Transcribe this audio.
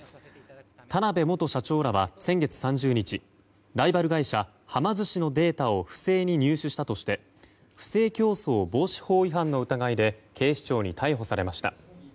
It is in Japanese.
田辺元社長らは先月３０日ライバル会社はま寿司のデータを不正に入手したとして不正競争防止法違反の疑いで警視庁に逮捕されました。